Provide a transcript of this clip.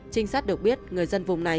trinh sát được biết người dân vùng này